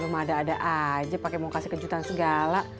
lu mada ada aja pakai mau kasih kejutan segala